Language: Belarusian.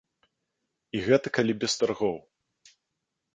І гэта калі без таргоў.